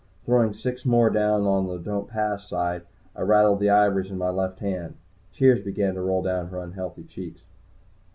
Throwing six more down on the "Don't Pass" side, I rattled the ivories in my left hand. Tears began to roll down her unhealthy cheeks.